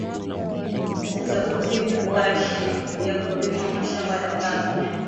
Tutafuteni fuashi yaku rima mashamba ya baba